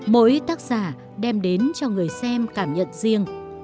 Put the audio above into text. mỗi tác giả đem đến cho người xem cảm nhận riêng